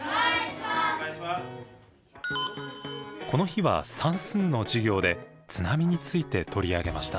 この日は算数の授業で津波について取り上げました。